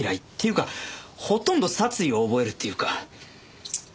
っていうかほとんど殺意を覚えるっていうか。